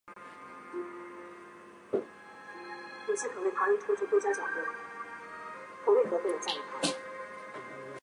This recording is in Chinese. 圣维森特和文托萨是葡萄牙波塔莱格雷区的一个堂区。